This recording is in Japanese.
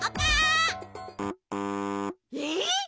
え！？